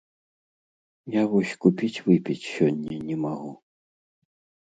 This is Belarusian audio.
Я вось купіць выпіць сёння не магу.